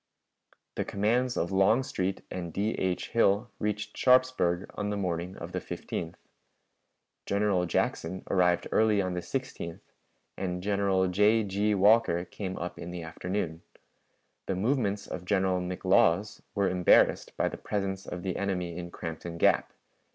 The commands of Longstreet and D. H. Hill reached Sharpsburg on the morning of the 15th. General Jackson arrived early on the 16th, and General J. G. Walker came up in the afternoon. The movements of General McLaws were embarrassed by the presence of the enemy in Crampton Gap.